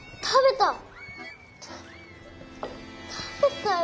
食べた！